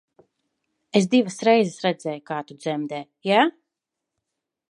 Es divas reizes redzēju, kā tu dzemdē, ja?